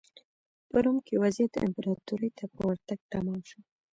په روم کې وضعیت امپراتورۍ ته په ورتګ تمام شو.